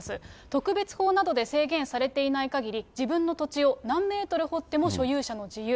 特別法などで制限されていないかぎり、自分の土地を何メートル掘っても所有者の自由。